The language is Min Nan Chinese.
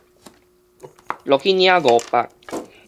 落去領五百